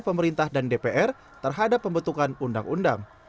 pemerintah dan dpr terhadap pembentukan undang undang